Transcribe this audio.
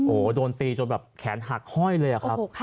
โอ้โหโดนตีจนแบบแขนหักห้อยเลยอะครับ